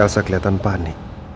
elsa keliatan panik